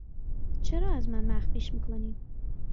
چرا از من مخفیش می کنی؟